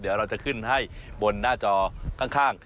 เดี๋ยวเราจะขึ้นให้บนหน้าจอข้าง